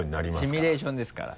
シミュレーションですから。